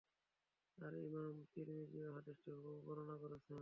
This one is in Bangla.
আর ইমাম তিরমিযীও হাদীসটি হুবহু বর্ণনা করেছেন।